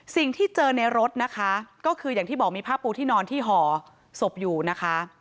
สิ่งที่เจอในรถนะคะก็คืออย่างที่บอกมีผ้าปูที่นอนที่ห่อศพอยู่นะคะ